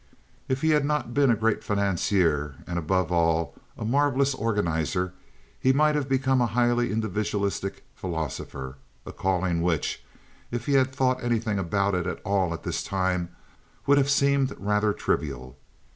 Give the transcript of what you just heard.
If he had not been a great financier and, above all, a marvelous organizer he might have become a highly individualistic philosopher—a calling which, if he had thought anything about it at all at this time, would have seemed rather trivial.